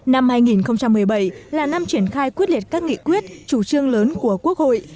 năm hai nghìn một mươi bảy là năm triển khai quyết liệt các nghị quyết chủ trương lớn của quốc hội